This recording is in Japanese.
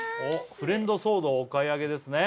フレンドソードをお買い上げですね